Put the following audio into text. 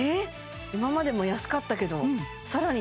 今までも安かったけど更に？